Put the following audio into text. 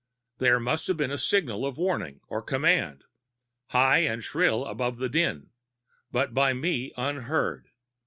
There must have been a signal of warning or command, high and shrill above the din, but by me unheard.